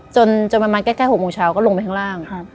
จนประมาณใกล้๖โมงเช้าก็ลงไปข้างล่าง